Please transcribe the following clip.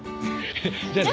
じゃあね。